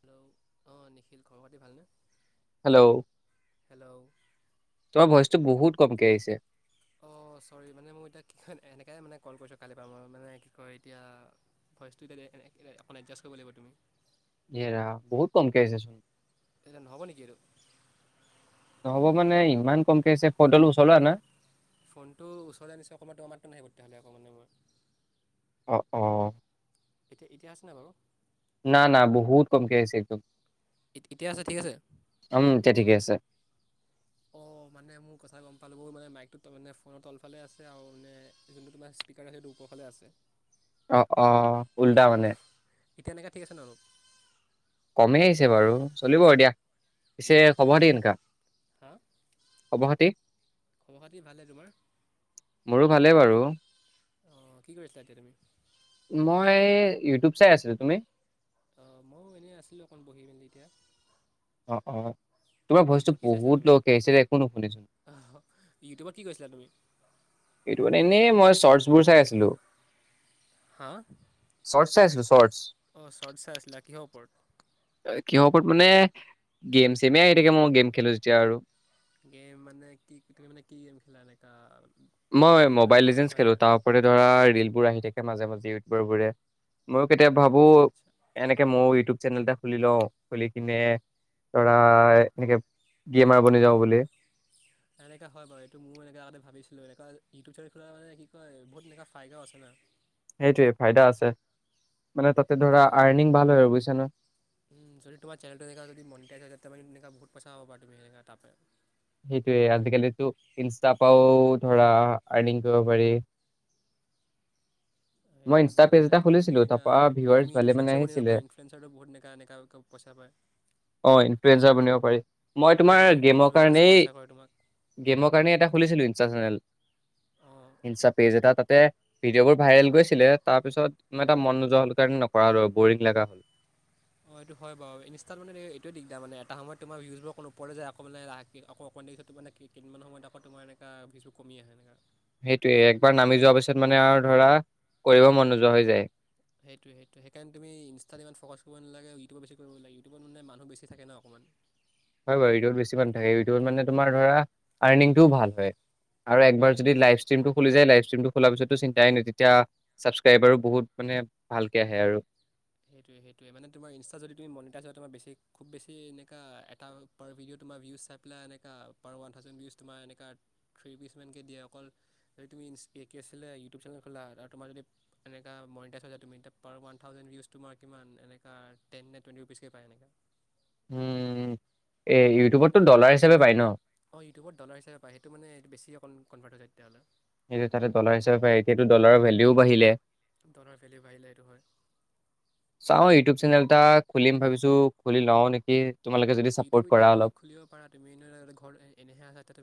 Hello অ নিখিল খবৰ পাতি ভালনে হেল্ল' হেল্ল' তোমাৰ ভইচটো বহুত কম কে আহিছে অঁ চৰি মানে মই এতিয়া কি হয় এনেকাই মানে কল কৰিছোঁ কালি পাৰ মই মানে কি কয় এতিয়া ভইচটো এতিয়া অকণ এডজাষ্ট কৰিব লাগিব তুমি। এৰা বহুত কমকে আহিছে চোন। এই নহ'ব নেকি আৰু হ'ব মানে ইমান কমকে আহিছে ফনটো চলোৱা না ফোনটো ওচৰলৈ আনিছে অকণমান ত মাতটো নাহে তেতিয়াহ'লে অকণমানে মই অঁ অঁ এতিয়া ইতিয়া আছে নাই বাৰু না না বহুত কমক আহছে একদম এতিয়া আছে ঠিক আছে আছে ঠিকে আছে অঁ মানে মোৰ কথা গম পালোঁ মানে মাইকটোত মানে ফোনৰ তলফালে আছে আৰু মানে যোনটো তোমাৰ স্পীকাৰ আছে সেইটো ওপৰফালে আছে অ অ এতিয়া উল্টা মানে চাউণ্ডটো এতিয়া এনেকৈ ঠিক আছে ন অলপ কমেই আহিছে বাৰু চলিব দিয়া। পিছে খবৰ অঁ খাতি কেনেকা? হা খবৰ খাতি খবৰ খাতি ভালে তোমাৰ মোৰো ভালেই বাৰু অ কি কৰিছিলা এতিয়া তুমি মই ইউটিউব চাই আছিলো তুমি অ মইো এনেই আছিলো অকণ বহি মেলি এতিয়া অ অ তোমাৰ ভইচটো ইউটিউবত কি চাইছিলা তুমি বহুত লৌকে আহিছে একো নুশুনিছো অঁ ইউটিউবত কি কৈছিলা তুমি সটো মানে এনেই মই চৰ্টছ বোৰ চাই আছিলো। চৰ্ট চাইছিলো অ চৰ্ট চাই আছিলে কিহৰ ওপৰত কিহৰ ওপৰতৰত মানে গেম চেমে আহি থাকে মই গেম খেলো যেতিয়া আৰু গেম মানে কি ত মানে কি গেম খেলা একা মই মোবাইল লিজেণ্ডচ খেলো তাৰ ওপতে ধৰা ৰিলবোৰ আহি থাকে মাজে মাজে ইউটউবৰ বোৰে মইো কেতিয়াবা অঁ ভাবো আচ্ছা আচ্ছা এনেকে মোৰ ইউটিউব চেনেল এটা খুলি লওঁ খুলি কিনে ধৰা এনেকে গেমাৰ বনি যাওঁ বুলি এনেকৈ হয় বাৰু এইটো মোৰ এনেকৈ আগতে ভাবিছিলোঁ এনেকুৱা ইউটিউব চেনেল খোলা মান কি কয় বহুত এনেকুৱা ফাইদাও আছে না সেইটোৱেই ফাইদা আছে। মানে তাতে ধৰা এতিয়া আৰ্নিং ভাল হয় আৰু বুজিছা ন? যদি তোমাৰ চেনেলটো দেখা য মনটোক বহুত পইচা পাবা তুমি তাত সেইটোৱে আজিকালিতো ইনষ্টাৰ পৰাও ধৰা আৰ্নিং কৰিব পাৰি মই সেইটোৱে ইনচটা পেজ হয় এটা কিবা তুমি খুলিছিলোঁ। এনেকা তাপা ভিউৱাজ তুমি ভালে মানে ইনফ্লুৱেঞ্চাৰ বনিব আহিছিলে। পাৰা ইনফ্লুৱেঞ্চাৰটো বহুত এনেকা এনেকা পইচা পায় অ ইনপেৰেজাৰ বনিব পাৰি। মই তোমাৰ ব্ৰেণ্ড ৰিলচ গেমৰ এনেকৈ কাৰণে স্পনচাৰ কৰে তোমাক গেমৰ কাৰণে এটা খোলিছিলো ইনচটা চেনেল। অঁ ইনষ্টা পেজ এটা তাতে ভিডিঅ' বোৰ ভাইৰেল গৈছে। ছিলে তাৰ পিছত এটা মন নোযোৱা হ'ল কাৰণে নকৰা হলো বৰিং লগা হ'ল। অ এইটো হয় বাৰু ইনিষ্টা মানে এইটো দিগদাৰ মানে। এটা সময়ত তোমাৰ ভিউজবোৰ অকণ ওপৰলৈ যায়। আকৌ বোলে লাহেকে আকৌ অকণ দেৰি পিছত কি মানে কেইদিনমান সময়ত আকৌ তোমাৰ এনেকা ভিউজ বোৰ কমি আহে এনেকা। সেইটোয়ে একবাৰ নামি যোৱা পিছত মানে আৰু ধৰা কৰিব মন নোযোৱা হৈ যায়। সেইটোৱে সেইটোৱে হেকাণে তুমি ইনষ্টাত ইমান ফকাছ কৰিবালে ইউিউব বেচি কৰিব লাগে। ইউটউবত মানে মানুহ বেছি থাকে ন অকণমান। হয় বাৰু ইউটিউবত বেছি মানুহ থাকে ইউিউবত মানে তোমাৰ ধৰা আৰ্নিংটো ভাল হয়। আৰু একবাৰ সেইটোৱে যদি মানে লাইভ ষ্ট্ৰিমটো খুলি যায় লাইভ ষ্টিমটো। খোলা পিছতো চিন্তাই নাই তেতিয়া চচস্ক্ৰাইবাৰো বহুত মানে ভালকে আহে আৰু। সেইটোৱে সেইটোৱে মানে তোমাৰ ইনষ্টা যদি তুমি মনিটাইজ হয়। তোমাৰ বেছি খুব বেছি এনেকা এটা পাৰ ভিডিঅ'। তোমাৰ ভিউজ চাইপেলাই এনেককা পাৰ ওৱান থাউজেণ্ড ভিউজ এনেকা থ্ৰী পিজমানকৈ দিয়ে অকল। যদি তুমি ইনচপে কে আছিলে ইউটিউব চেনেল খোলা আৰু তোমাৰ যদি এনেকা মনিটাইজ হৈ যায় তুমি পাৰ ওৱান থাউজেণ্ড ভিউজ। তোমাৰ কিমান এনেকা টেন নে টুৱেণ্টি ৰুপিছকে‌ পায় এনেকা। উম। এ ইউটিউবততো সেইকাৰণে ডলাৰ হিচাপে পায় ন? অ ইউটিউবত ডলাৰ হিচাপে পায় সেইটো মানে এইটো বেছি অকণ- কণফাৰট হৈ যায় তেতিয়াহ'লে। সেইটো তাতে ডলাৰ হিচাপে এতিয়াতো ডলাৰৰ ভেলিও বাঢ়িলে। দলৰ ফেলি বাহিলে এইটো হয়। চাওঁ ইউটিউব চেনেল এটা খুলিম ভাবিছোঁ খুলি লওঁ নেকি। তোমালোকে যদি চাপৰ্ট ইউটিউব কৰা এতিয়া তুমি অলপ খুলিব পাৰা তুমি ধৰা ঘৰত এনেহে আচা এতিয়া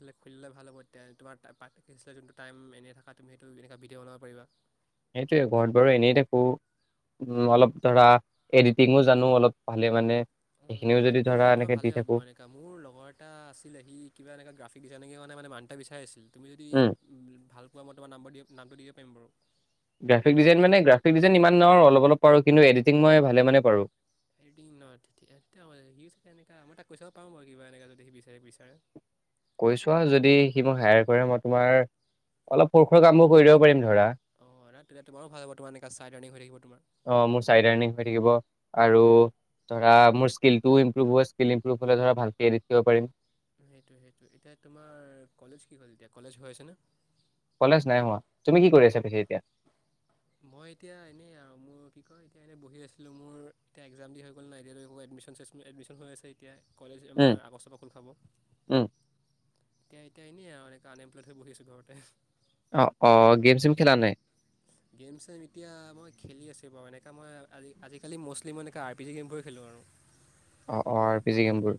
তুমি খুলিলে ভাল হ'ব। তে তোমাৰ পাৰ্থ পছিলে যোনটো টাইম এনেই থাকা তুমি সেইটো এনেকৈ ভিডিঅ বনাব পাৰিবা। সেইটোয়ে ঘৰত বাৰু এনেই থাকো উ অলপ ধৰা এডিটিঙো জানো অলপ ভালে মানে। উম সেইখিনিও যদি এডিটিং ধৰা জানিলে তোমাৰ এনেকে দি ভালে হ'ব থাকো এনেকা মোৰ লগৰ এটা আছিলে সি কিবা এ গ্ৰাফিক না মানে মানুহ এটা বিছাই আহিছিল। তুমি যদি উম ভাল পোৱা মতে তোমাৰ নাম্বাৰ দিয়া নামটো দিয়া পেম্বৰ গ্ৰাফিক ডিজাইন মানে গ্ৰাফিক ডিজন ইমান ন অলপ পাৰু কিন্তু এডিটং মই ভালে মানে পাৰোঁ। এডিটিং নহয় তেতিয়া হ'লে সিউ চাগে এনেকা মই তাক কৈ চাব পাৰোঁ বাৰু কিবা এনেক যদি সি বিচাৰে বিচাৰে। কৈছোৱা যদি সি মোক হায়াৰ কৰে মই তোমাৰ অলপ সৰুসুৰা কাম বোৰ কৰি দিব পাৰিম। ধৰা অ এতিয়া তোমাৰো ভাল হ'ব তোমাৰনে চাই টৈডিং হৈ থাকিব তোমাৰ। অ মোৰ চাইড টেৰ্নিং হৈ থাকিব আৰু সেইটোৱে ধৰা। মোৰ স্স্কিল টো ইম্প্ৰুভ হয় স্কিল ইম্ৰভ হ'লে ধৰা ভালকে এডিত কৰিব পাৰিম। সেইটো সেইটো এতিয়া তোমাৰ কলেজ কি হ'ল এতিয়া কলেজ হৈ আছে ন। কলেজ নাই হোৱা। তুমি কি কৰি আছা কল পিছে এতিয়া মই এতিয়া এনেই আৰু মোৰ কি কয়। এতিয়া এনে বহি আছিলোঁ মোৰ এতিয়া একজাম দি হৈ গ'ল নাই এতিয়াটো অকৌ এডমিচন চেছ এডমিচন হৈ আছে এতিয়া। কলেজ উম আমাৰ আগষ্টপা খুল খাব। উম এতিয়া এতিয়া এনেই অ আৰু এমপ্লইড হৈ বহি আছোঁ ঘৰতে। অ অ গেম চেম খেলা নাই। গেম চেম এতিয়া মই খেলি আছোঁ বাৰু এনেকা মই আজিকালি ম'ষ্টলি মই এনেকৈ আৰ পি জি গেমবোৰে খেলোঁ আৰু। অ অ পি জি গেমবোৰ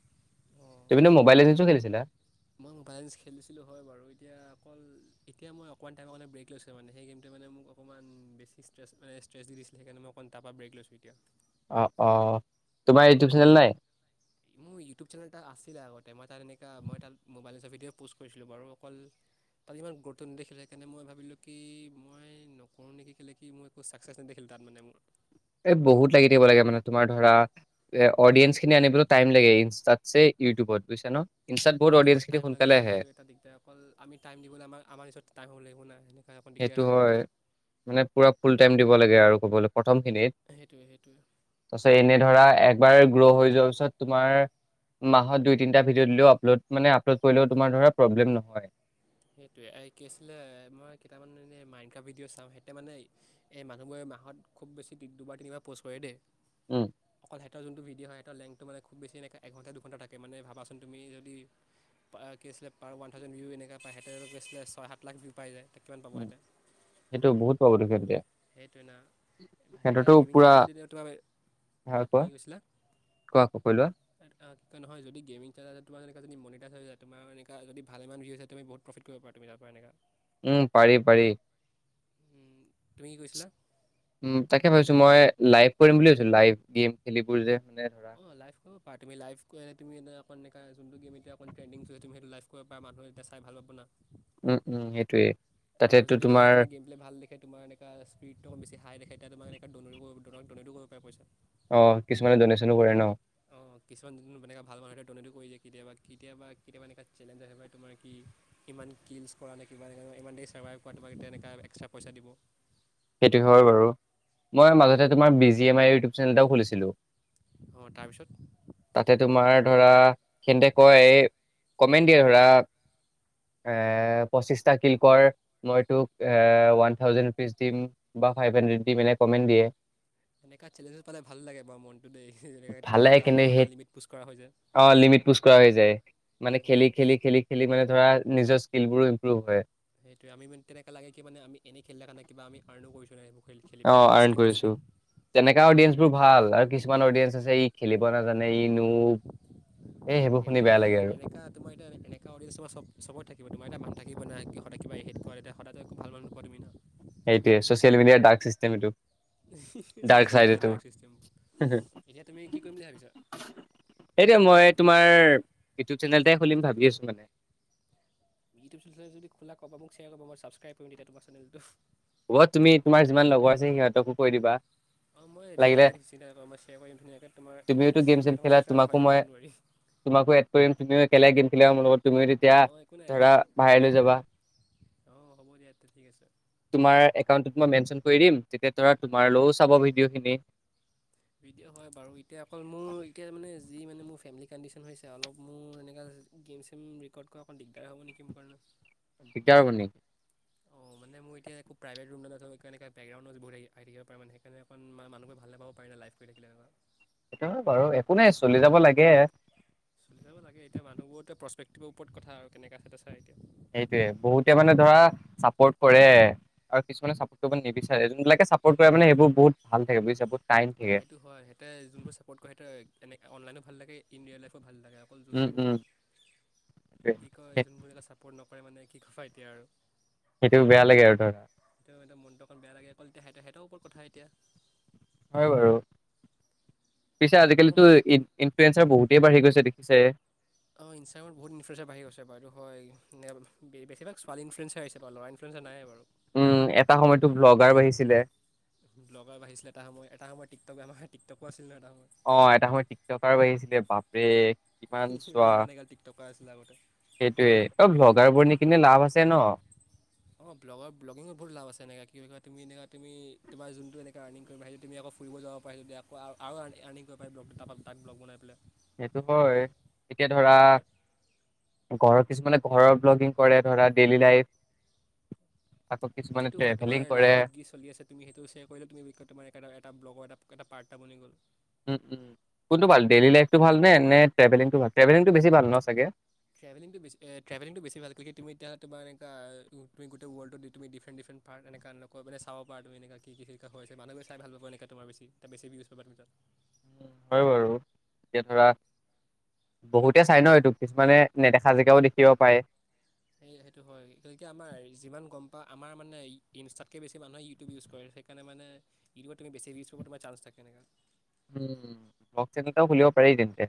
অঁ তুমিটো মবাইল লিজেণ্ড খেলিছিলা মই মবাইলেঞ্চ খেলিছিলোঁ হয় বাৰু এতিয়া অকল এতিয়া মই অকণ টাইমৰ কাৰণে ব্ৰেক লৈ মানে সেই গেমটোৱ মানে মোক অকণমান বেছি ষ্টেচ মানে ষ্ট্ৰেছ দিছিলে সেইকাৰণে মই অকণ তাৰপৰা ব্ৰেক লৈছোঁ এতিয়া অ অ তোমাৰ ইউটিউব চেনেল নাই মোৰ ইউটিউব চেনেল এটা আছিলে আগতে মই তাত এনেকুৱা মই তাত মোবাইল ভিডিঅ' প'ষ্ট কৰিছিলোঁ বাৰু অকল তাত ইমান গুৰুত্ব নেদেখিলে সেইকাৰণে মই ভাবিলোঁ কি মই নকৰোঁ নেকি কেলে কি মই একো চাকচেছ নেদেখিলো তাত মানে মোৰ এ বহুত লাগি থাকিব লাগে মানে তোমাৰ ধৰা এ অডিয়েঞ্চ খিনি আনিবলৈ টাইম লাগে ইনষ্টাতছে ইউটিউবত বুজিছা ন ইনষ্টাত বহুত অডিয়েঞ্চ ইউটিউবত খিনি টাই লাগ সোনকালে সেইটো আহে, সেইটো এটা দিগদাৰ অকল আমি টাইম দিবলৈ আমা আমাৰ ওচৰত টাইম হব লাগিব না অকণ দিগদাৰ সেইটো হৈ যায় হয় মানে পুৰা ফুল টাইম দিব লাগে আৰু ক'বলৈ প্ৰথম খিনিত সেইটোৱে সেইটোৱে তাৰপিছত এনে ধৰা এক বা গ্ৰ' হৈ যোৱাৰ পিছত তোমাৰ মাহত দুই তিনিটা ভিডিঅ' দিলেও আপলোড মানে আপলোড কৰিলেও তোমাৰ ধৰা প্ৰব্লেম নহয় সেইটোৱে এই কি আছিলে মই কেইটামান এনেই মাইনড কাপ ভিডিঅ' চাওঁ সেঁতে মানে এই মানুহবোৰে মাহত খুব বেছি দুবাৰ তিনিবাৰ প'ষ্ট কৰে দেই উম তাৰ যোনটো ভিডিঅ' হয় তাৰ লেংটো মানে খুব বেছি এনে এণ্টা দুঘণ্টা থাকে মানে ভাবা চোন যদি তুমি পাৰ ওৱান থাউজেণ্ড এনেকা ত সহঁতেত গৈছিলে ছয় সাত লাখ ভি পাই যায় ত' কিমান পাব উ সিহঁতে সেইটো বহুত পাব তেতিয়া সেইটোৱে ন সেনেকুৱা গেমিং চ পুৰা যদি তোমাৰ হে হা কোৱা, কি কৈছিলা কোৱা কোৱা কৈ লোৱা। নহয় যদি গেমিং চানেলত যদি তোমাৰ এনেকা যদি মনিটাইজ হৈ যায় তোমাৰ এনে যদি ভালেমান ভিউজ আহে তুমি বহুত প্ৰফিট কৰিব পাৰা তাৰ পৰা এনেকা উম পাৰি পাৰি তুমি কি কৈছিলা উম তাকে ভাবিছো মই লাইভ কৰিম বুলি ভাবিছো লাইভ গেম খেলিবোৰ যে মানে ধৰা অ লাইফ খেলিব পৰা তুমি লাইফ তে তুমি অকন এনেকুৱা যোনটো গেম এয়া অকণ ট্ৰেডিং তু সেইটো লাইফ কৰিব পাৰা এতিয়া মানুহে চাই ভাল পাব না উম, উম, সেইটোৱে। আৰু যদি মানুহে তোমাৰ গেম বিলাক ভাল দেখে তোমাৰ এনেকা স্পীডটো অ বেছি হাই দেখে তেতিয়া তোমাক ডনেট ডনেটো কৰিব পাৰে পইছা অ কিছুমানে ডনেশ্যনো কৰে ন অঁ কিছুমান এনেকুৱা ভাল মানুহ ডনেটো কৰি দিয়ে কেতিয়াবা কেতিয়াবা কেতিয়াবা এনেকা চেলেঞ্জ আহে তোমাৰ কি ইমান কিলছ কৰা নে ইমান দেৰি চাৰৰ্ভাইভ কৰা তোমাক এতিয়া এনেুৱা এক্সট্ৰা পইচা দিব সেইটো হয় বাৰু মই মাজতে তোমাৰ বি জি এমৰ ইউটিউব চেনেল এটাও খুলিছিলো অঁ তাৰপিছত তাতে তোমাৰ ধৰা সেতে কয় কমেন্ট দিয়ে ধৰা এ পঁচিছটা কিলকৰ মই তোক ওৱান থাউজেণ্ড ৰুপিচ দিম বা ফাইভ হাড্ৰেড দিম কমেণ্ট দিয়ে এনেকুৱা চেলেঞ্জছ পালে ভাল লাগে বাৰু মনটো দে যেনেকে তেতিয়া ভালে আমাক কিন্তু অকন সেই আমাৰ লিমিট পোষ্ট কৰা হয় যে অ', লিমিট পুচ কৰা হৈ যায়। মানে খেলি, খেলি, খেলি, খেলি মানে ধৰা নিজৰ স্কীলবোৰো ইম্প্ৰুভ হয় সেইটোয়ে আমি তেনেকে লাগে কি আমি এনে খেলি থকা নাই কিবা আমি কামো কৰিছো অ আৰ্ণ কৰিছো তেনেকা অডিয়েঞ্চ বোৰ ভাল আৰু কিছুমান অডিয়েঞ্চ আছে ই খেলিব নাজানে ৰিমোভ সেইবোৰ এনেকা তোমাৰ এতিয়া এনেকা অডিয়েঞ্জ চব চবত থাকিব তোমাৰ এনেকে ভাগ থাকিব না সদায় কিবা একেটা সদায় টো ভাল ভাল নোপোৱা তুমি সেইটোৱে ছ'চিয়েল মিডিয়াৰ ডাক্ চিষ্টেম এইটো ডাৰ্ক ছচিয়েল চাইড মিডিয়া এইটো ড্ৰাগ চিটেম এতিয়া তুমি কি কৰিম বুলি ভাবিছা। সেইটোৱে মই তোমাৰ ইউটিউব চেনেলটোই খুলিম ভাবি আছো মানে। ইউটিউ চেনেল যদি খো'লা কবা মোক শেয়াৰ ক মই ছাব্ক্ৰাই কৰিম তেতি তোমাৰ চেনেলটো। হ'ব তুমি তোমাৰ যিমান লগৰ আছে সিহঁতকো কৈ দিবা। অঁ মই লাগিলে তুমি কিন্ত মই শ্বেয়াৰ কৰি দিম ধুনীয়াকৈ তোমাৰ তুমিওতো গেম চেম দুটামান খেলা ছাবস্ক্ৰাইব তোমাকো বঢ়াই দিম মই দন ৱাৰি। [unintelligible] আমাৰ লগত তুমি তেতিয়া ধৰা ভাইৰেল লৈ যাবা। অঁ হ'ব দিয়া তেয়া ঠিক আছে। তোমাৰ একাউণ্টত মই মেনশ্বন কৰি দিম তেতিয়া অ তোমাৰালেও চাব ভিডি ভিডিঅ' খিনি হয় বাৰু এতিয়া অকল মোৰ এতিয়া মানে যি মানে মোৰ ফেমি কণ্ডিশ্যন হৈছে অলপ মোৰ এনেকৈ গেম চেম ৰেকৰ্ড কৰা অকণ দিগদাৰ হ'ব নেকি মোৰ কাৰণে। দিগদাৰ হব নেকি? অঁ মান মই এতিয়া একো প্ৰাইভেট ৰুম না থ এক এনেক বেকগ্ৰউণ্ড বহুতি থাকিব পাৰে সেইকাৰণ মানুহে ভালে পাব পাৰে ন লাই কৰি থাকে। সেইটো বাৰু একো নাই চলি যাব লাগে। চলিব লাগে এতিয়া মানুহবোৰৰতে প্ৰচপেকটিৰ ওপৰত কথা কেনেকুৱা আছে ছাৰ এতিয়া। সেইটোৱে বহুতে মানে ধৰা চাপোৰ্ট কৰে আৰু কিছুমানে চাপোৰ্ট কৰিব নিবিচাৰে যোনবিলাকে চাপোৰ্ট কৰে মানে সেইবোৰ বহুত ভাল থাকে বুজিছা বুত। সেইটো হয় সিহতে যোনবোৰ চাপৰ্ট কৰে সিহতে এনে অনলাইনও ভাল লাগে ইণ্ডিয়াৰ লাইফত। ভাল লাগে অকল উম উম। যোনবোৰ সেইটোৱে, কি সেই কয় যোনবোৰে ছাপৰ্ট নকৰে। পাৰে মানে কি কয় এতিয়া। আৰু সেইটো বেয়া লাগে আৰু ধৰা মনটোখন বেয়া লাগে অকল তেতিয়া হা হঁতে সিহতৰওপৰত কথা এতিয়া। হয় বাৰু পিছে মোৰ আজিকালিতো মাত কেঞ্চাৰ বহুতেই বাঢ়ি গৈছে দেখিছাই। অ ইনষ্টাগ্ৰামত বহুত ইনফুৱেঞ্চ বাঢ়ি গৈছে বু হয় উম বেছিভাগ ছোৱালী ইনফুৱেঞ্চেছে বু ল'ৰা ইনফুৱেঞ্চে নাই বাৰু। উম এটা সময়তো ব্লগাৰ বাঢ়িছিলে। লগৰ বাঢ়িছিলে এটা সময় এটা সময়ত টিকটকম টিকটকো। আছিল ন এটা সময় অ এটা সময় টিকটকাৰ বাঢ়িছিলে বাপৰে কিমান চোৱা ইমান এগাল টিকটকাৰ আছিলে আগতে সেইটোৱে ত বগ্লাৰ বনি বিনি লাভ আছে ন। অঁ ব্লৰ ব্লিঙ বহুত‌ লাভ আছে এনেক কি ক তুমি এনেকুৱা তুমি তোমাৰ যোনটো এনে আণিং কৰিব পাৰিল তুমি ফুৰিব যাব পাৰি আৰু আকৌ আৰু আণিং কৰিব পাৰি ব্লগটো তাত ব্ল বনাই মিলাই। সেইটো হয় এতিয়া ধৰা। আৰু ঘৰৰ কিছুমানে ঘৰৰ ব্লগিং কৰে ধৰা ডেইলি লাইফ আকৌ অ কিছুমানে সেইটো হয় তোমাৰ ট্ৰেভেলিং কৰে লাইফত কি চলি আছে তুমি সেইটো শ্বেয়াৰ কৰিলে ত এটা ব্লগ এটা। এটা পাৰ্ট টাইম বনিগল উম উম কোনটো ভাল ডেইলি লাইফটো ভাল নে সে ট্টেভেলিংটো ট্টেভেলিংটো বেছি ভাল ন চাগে। ট্ৰেভেলিংটো বেছ ট্ৰেভেলিংটো বেছি ভাল তুমি যেতিয়া' তুমি এনেকুৱা গোটিই ৱৰ্লডত তুমি ডিফাৰেণ্ট ডিফাৰেণ্ট পাট দেখা নোপোৱা চাব পাৰা তুমি এনেকুৱা কি হয় হৈছে মানুহৰ চাই ভাল পাই এনেকুৱা তুমি বেছি বেছি ইউজ পা তাৰিত। উম হয় বাৰু এতিয়া ধৰা বহুতে চাই ন এইটো কিছুমানে নেদেখা জিগাও দেখিব পাৰে। সেই সেইটো হয় গতিকে আমাৰ যিমান গম পা আমাৰ মানে ইনষ্টাতকৈ বেছি মানুহে ইউটিউব ইউজ কৰে সেইকাৰণে মানে ইউটিউবত তুমি বেছি ইউজ কৰিব তোমাৰ চাঞ্চ থাকে এনেকা। উম ব্লগচেনেল এটাও খুলিব পাৰি তেন্তে।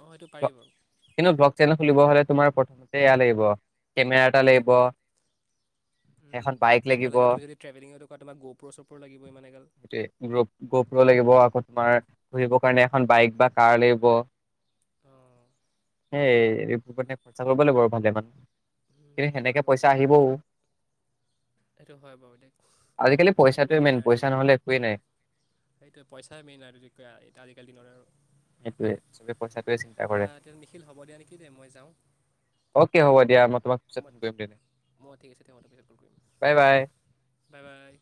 অঁ সেইটো পাৰি বাৰু কিন্তু ব্লগ চেনেল খুলিব হ'লে। তোমাৰ প্ৰথমতে এয়া লাগিব কেমেৰা এটা লাগিব। এখন তোমাক বাইক কেমেৰা লাগিব তুমি যদি ট্ৰেভেলিঙত দা তোমাক গ'প চপো লাগিব ইমান এগাল। সেইটোৱে গপ্ৰ লাগিব আকৌ তোমাৰ ঘুৰিবৰ কাৰণে এখন বাইক বা কাৰ লাগিব? অঁ এইৰি খৰচা কৰিব লাগিব ভালে মানে? কিন্তু হয় সেনেকে বাৰু পইচা আহিবও? সেইটো হয় বাৰু দক সেইটো আজিকালি হয় পইচাটোৱে পাৰিবনে মেইন, আৰ্নিং পইচা নহ'লে কৰিবলৈও? একোৱেই নাই। সেইটো পইচা মেইন আৰু এ আজিকালি দিনৰত আৰু। সেইটোৱে চবে পইচটোৱে চিন্তা কৰে এতিয়া নিখিল হ'ব দিয়া নেকি দেই মই যাওঁ অকে হব দিয়া ম। তোমাক পিছ মই কৰিম দেনে মই ঠিক আছে দে মই তোক পিছত কল কৰিম বাই বাই? Bye bye.